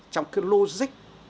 trong cái logic